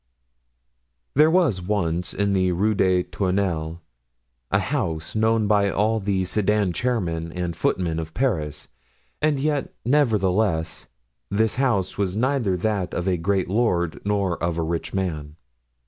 There was once in the Rue des Tournelles a house known by all the sedan chairmen and footmen of Paris, and yet, nevertheless, this house was neither that of a great lord nor of a rich man.